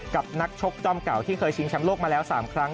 นักชกจ้อมเก่าที่เคยชิงแชมป์โลกมาแล้ว๓ครั้ง